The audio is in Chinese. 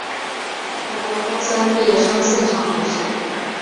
号召高三毕业生现场面试